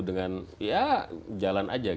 dengan ya jalan aja